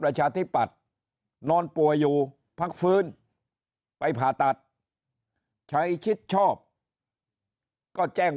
ประชาธิปัตย์นอนป่วยอยู่พักฟื้นไปผ่าตัดชัยชิดชอบก็แจ้ง